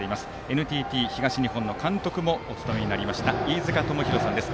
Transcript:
ＮＴＴ東日本の監督もお務めになりました飯塚智広さんです。